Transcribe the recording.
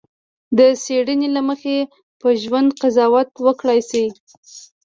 د څېړنې له مخې په ژوند قضاوت وکړای شي.